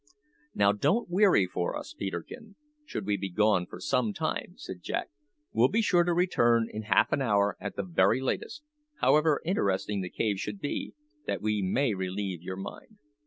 "Now don't weary for us, Peterkin, should we be gone some time," said Jack. "We'll be sure to return in half an hour at the very latest, however interesting the cave should be, that we may relieve your mind."